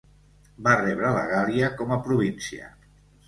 Va rebre la Gàl·lia com a província.